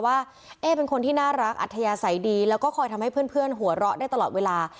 ว่าเอ๊เป็นคนที่น่ารักอัธยาศัยดีแล้วก็คอยทำให้เพื่อนหัวเราะได้ตลอดเวลา